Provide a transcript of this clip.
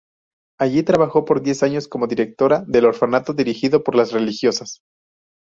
Allí trabajó por diez años como directora del orfanato dirigido por las religiosas.